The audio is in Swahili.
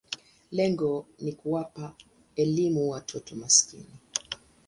Lengo ni kuwapa elimu watoto maskini.